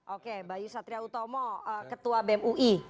oke mbak yusatria utomo ketua bem ui